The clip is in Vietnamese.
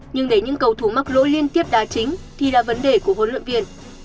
nhưng để những cầu thủ mắc lỗi liên tiếp đá chính thì là vấn đề của hồ lâm viên